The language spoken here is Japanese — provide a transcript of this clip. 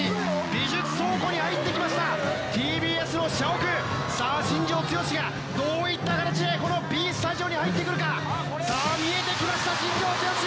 美術倉庫に入ってきましたＴＢＳの社屋さあ新庄剛志がどういった形でこのＢスタジオに入ってくるかさあ見えてきました新庄剛志